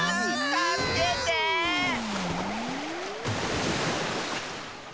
たすけてえ！